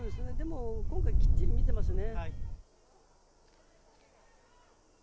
今回きっちり見ていますよね。